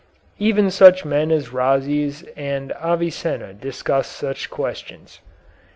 Even such men as Rhazes and Avicenna discuss such questions.